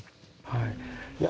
はい。